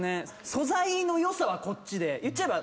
素材の良さはこっちで言っちゃえば。